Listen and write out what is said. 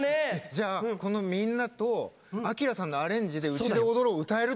じゃあこのみんなとアキラさんのアレンジで「うちで踊ろう」を歌えるってこと？